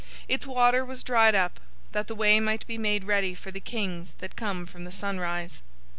Its water was dried up, that the way might be made ready for the kings that come from the sunrise.